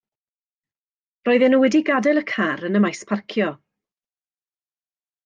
Roedden nhw wedi gadael y car yn y maes parcio.